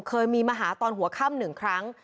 เคยมีมาหาตอนหัวค่ำหนึ่งครั้ง